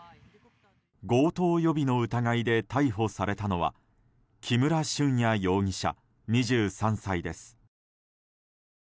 強盗予備の疑いで逮捕されたのは木村俊哉容疑者、２３歳です。